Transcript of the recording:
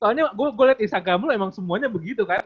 soalnya gue liat instagram lu emang semuanya begitu kan